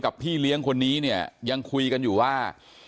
พี่เลี้ยงคนนี้เนี่ยยังคุยกันอยู่ว่า